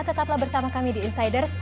tetaplah bersama kami di insiders